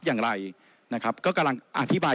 อย่างไรนะครับก็กำลังอธิบาย